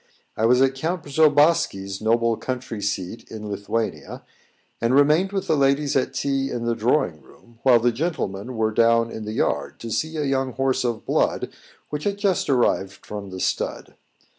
I was at Count Przobossky's noble country seat in Lithuania, and remained with the ladies at tea in the drawing room, while the gentlemen were down in the yard, to see a young horse of blood which had just arrived from the stud.